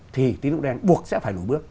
thì tín dụng đen buộc sẽ phải lùi bước